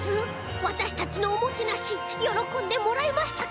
わたしたちのおもてなしよろこんでもらえましたか？